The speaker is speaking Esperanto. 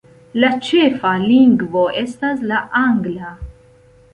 La ĉefa lingvo estas la Angla.